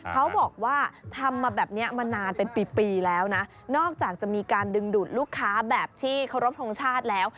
เขาบอกว่าทำมาแบบนี้มานานเป็นปีแล้วนะนอกจากจะมีการดึงดูดลูกค้าแบบที่เคารพทรงชาติแล้ว